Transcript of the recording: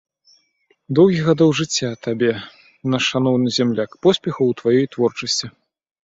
Доўгі гадоў жыцця табе, наш шаноўны зямляк, поспехах у тваёй творчасці!